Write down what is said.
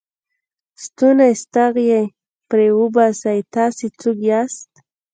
ستونی ستغ یې پرې وباسئ، تاسې څوک یاست؟